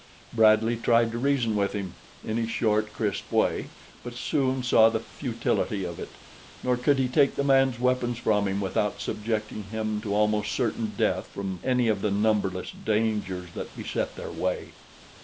Bradley tried to reason with him, in his short, crisp way, but soon saw the futility of it; nor could he take the man's weapons from him without subjecting him to almost certain death from any of the numberless dangers that beset their way.